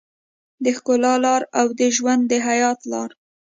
د ښکلا لاره او د ژوند د حيا لاره.